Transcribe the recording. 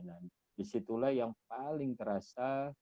disitulah yang paling terasa